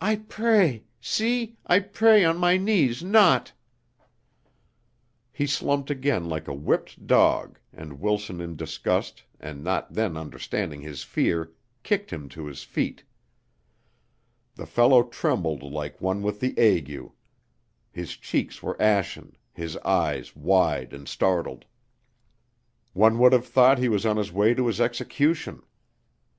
I pray, see, I pray on my knees not." He slumped again like a whipped dog and Wilson in disgust and not then understanding his fear, kicked him to his feet. The fellow trembled like one with the ague; his cheeks were ashen, his eyes wide and startled. One would have thought he was on his way to his execution.